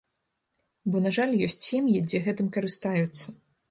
Бо, на жаль, ёсць сем'і, дзе гэтым карыстаюцца.